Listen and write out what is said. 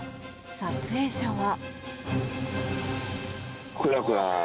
撮影者は。